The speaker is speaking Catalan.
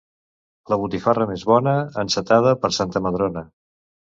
La botifarra més bona encetada per Santa Madrona.